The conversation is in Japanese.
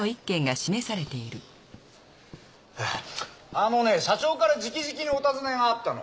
あのね社長からじきじきにお尋ねがあったの。